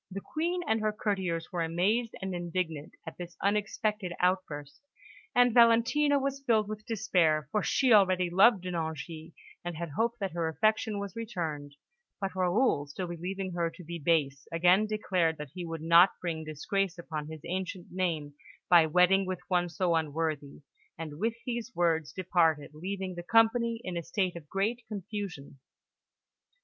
The Queen and her Courtiers were amazed and indignant at this unexpected outburst, and Valentina was filled with despair, for she already loved De Nangis, and had hoped that her affection was returned; but Raoul, still believing her to be base, again declared that he would not bring disgrace upon his ancient name by wedding with one so unworthy, and with these words departed, leaving the company in a state of great confusion.